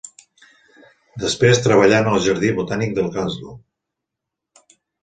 Després treballà en el Jardí Botànic de Glasgow.